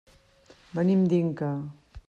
Venim d'Inca.